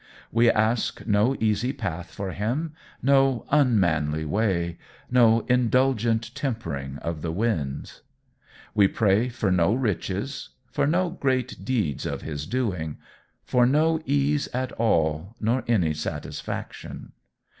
We ask no easy path for him no unmanly way no indulgent tempering of the winds. We pray for no riches for no great deeds of his doing for no ease at all nor any satisfaction.